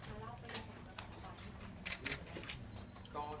ขอบคุณครับ